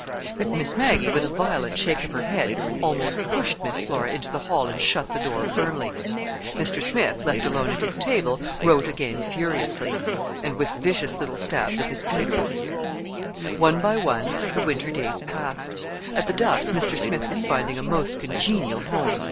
But Miss Maggie, with a violent shake of her head, almost pushed Miss Flora into the hall and shut the door firmly. Mr. Smith, left alone at his table, wrote again furiously, and with vicious little jabs of his pencil. ....... One by one the winter days passed. At the Duffs' Mr. Smith was finding a most congenial home.